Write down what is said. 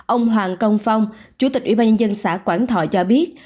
ông hoàng công phong chủ tịch ủy ban nhân dân xã quảng thọ cho biết